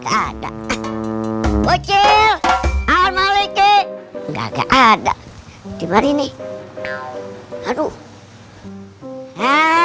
ada ada bocil al maliki enggak ada di sini aduh